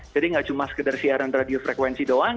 jadi gak cuma sekedar siaran radio frekuensi doang